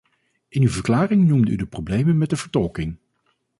In uw verklaring noemde u de problemen met de vertolking.